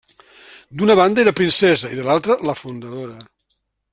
D'una banda era princesa i de l'altra, la fundadora.